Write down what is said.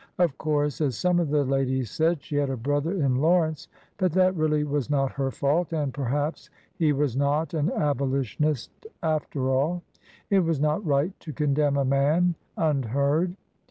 Of course, as some of the ladies said, she had a brother in Lawrence, —but that really was not her fault, and perhaps he was not an Abolitionist, after all. It was not right to con demn a man unheard.